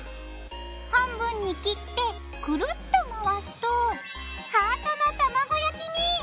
半分に切ってクルっと回すとハートの卵焼きに。